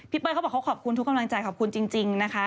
พี่เป้ยมีบอกขอบคุณทุกความแรงใจขอบคุณจริงนะฮะ